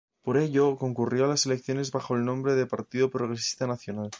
Por ello, concurrió a las elecciones bajo el nombre de Partido Progresista Nacional.